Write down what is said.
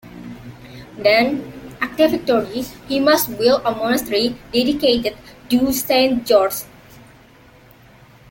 Then, after victory, he must build a monastery dedicated to Saint George.